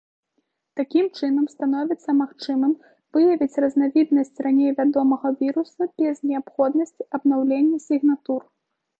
Такім чынам становіцца магчымым выявіць разнавіднасць раней вядомага віруса без неабходнасці абнаўлення сігнатур.